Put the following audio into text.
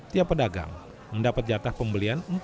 tiap pedagang mendapat jatah pembelian empat puluh lima kg minyak